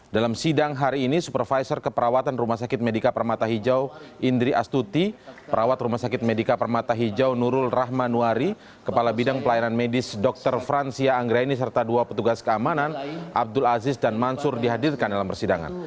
dalam sidang hari ini supervisor keperawatan rumah sakit medika permata hijau indri astuti perawat rumah sakit medika permata hijau nurul rahmanwari kepala bidang pelayanan medis dr fransia anggraini serta dua petugas keamanan abdul aziz dan mansur dihadirkan dalam persidangan